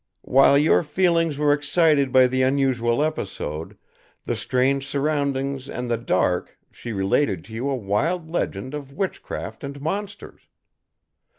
"While your feelings were excited by the unusual episode, the strange surroundings and the dark, she related to you a wild legend of witchcraft and monsters.